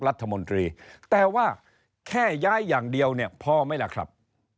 รัฐมนตรีแต่ว่าแค่ย้ายอย่างเดียวเนี่ยพอไหมล่ะครับ